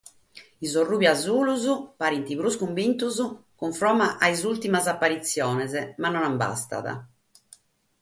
Sos ruju-biaitos parent prus cumbintos cunforma a sas ùrtimas aparitziones, ma non bastat.